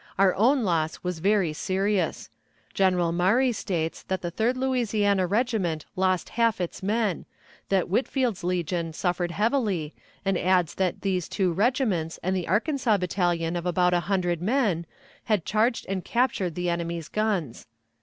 Our own loss was very serious. General Maury states that the Third Louisiana regiment lost half its men, that Whitfield's legion suffered heavily, and adds that these two regiments and the Arkansas battalion of about a hundred men had charged and captured the enemy's guns.